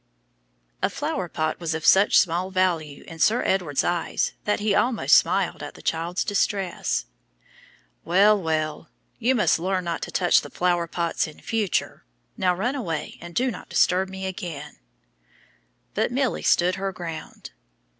A flower pot was of such small value in Sir Edward's eyes that he almost smiled at the child's distress. "Well, well, you must learn not to touch the flower pots in future. Now run away, and do not disturb me again." But Milly stood her ground.